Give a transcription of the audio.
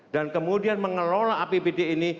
dan kemudian mengelola apbd ini